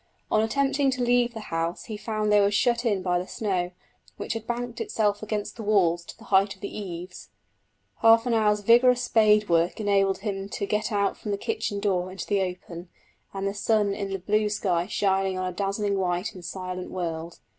On attempting to leave the house he found they were shut in by the snow, which had banked itself against the walls to the height of the eaves. Half an hour's vigorous spade work enabled him to get out from the kitchen door into the open, and the sun in a blue sky shining on a dazzling white and silent world.